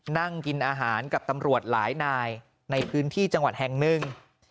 นั่งกินอาหารกับตำรวจหลายนายในพื้นที่จังหวัดแห่งหนึ่ง